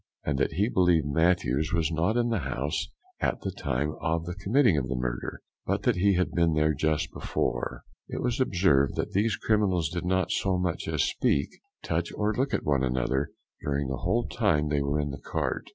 And that he believed Mathews was not in the house at the time of the committing the murder, but that he had been there just before. It was observed that these criminals did not so much as speak, touch, or look at one another, during the whole time they were in the cart.